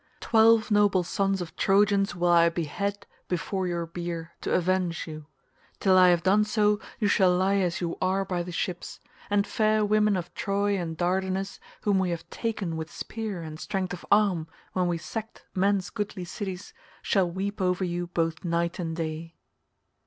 Twelve noble sons of Trojans will I behead before your bier to avenge you; till I have done so you shall lie as you are by the ships, and fair women of Troy and Dardanus, whom we have taken with spear and strength of arm when we sacked men's goodly cities, shall weep over you both night and day."